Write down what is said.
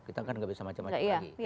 kita kan nggak bisa macam macam lagi